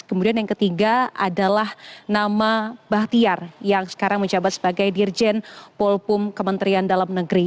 kemudian yang ketiga adalah nama bahtiar yang sekarang menjabat sebagai dirjen polpum kementerian dalam negeri